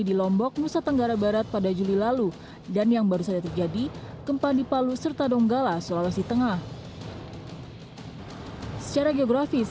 kita berbicara tentang indonesia yang memang secara topografis secara geografis